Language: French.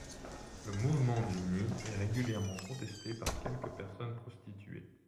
Le Mouvement du Nid est régulièrement contesté par quelques personnes prostituées.